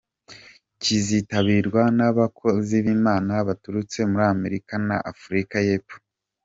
Kizitabirwa n’abakozi b’Imana baturutse muri Amerika na Afurika y’Epfo.